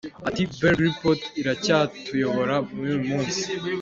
Ati “Berg Report iracyatuyobora n’uyu munsi.